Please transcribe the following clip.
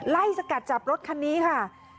สกัดจับรถคันนี้ค่ะ